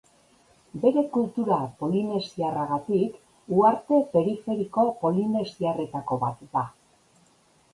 Bere kultura polinesiarragatik uharte periferiko polinesiarretako bat da.